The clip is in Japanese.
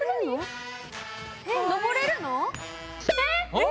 えっ！